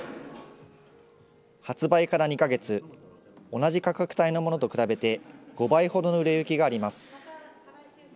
同じ価格帯のものと比べて、５倍ほどの売れ行きがあります。